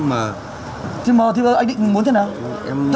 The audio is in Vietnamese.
rồi kiểm tra đã anh ngay